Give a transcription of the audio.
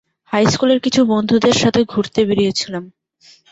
High স্কুলের কিছু বন্ধুদের সাথে ঘুরতে বেড়িয়েছিলাম।